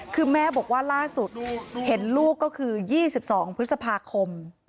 คือแม่บอกว่าล่าสุดเห็นลูกก็คือ๒๒พฤษภาคม